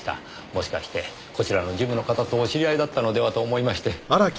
もしかしてこちらのジムの方とお知り合いだったのでは？と思いまして。